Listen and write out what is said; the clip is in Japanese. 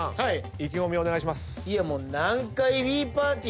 意気込みお願いします。